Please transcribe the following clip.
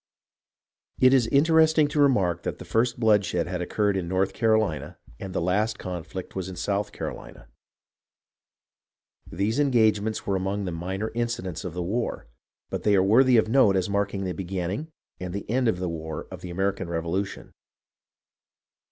It is interesting to remark that the first bloodshed had occurred in North Carolina and the last conflict was in South Carolina. These engagements were among the minor incidents of the war, but they are worthy of note as marking the beginning and the end of the war of the American Revolution.